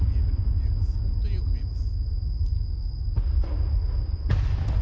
よく見えます。